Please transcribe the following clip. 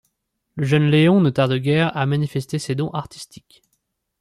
Le jeune Léon ne tarde guère à manifester ses dons artistiques.